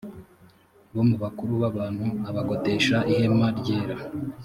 bo mu bakuru b abantu abagotesha ihema ryera